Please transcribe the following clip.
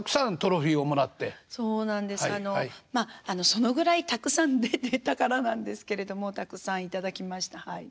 そのぐらいたくさん出てたからなんですけれどもたくさん頂きましたはい。